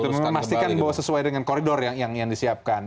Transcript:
untuk memastikan bahwa sesuai dengan koridor yang disiapkan